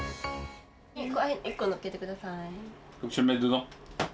１個のっけて下さい。